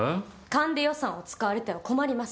勘で予算を使われては困ります。